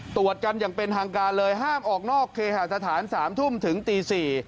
ตรวจกันอย่างเป็นทางการเลยห้ามออกนอกเคหาสถาน๓ทุ่มถึงตี๔